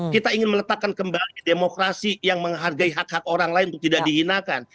kita ingin meletakkan kembali demokrasi yang menghargai hak hak orang lain untuk tidak dihinakan